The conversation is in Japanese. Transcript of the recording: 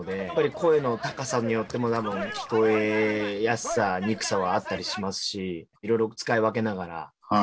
声の高さによっても聞こえやすさにくさはあったりしますしいろいろ使い分けながら。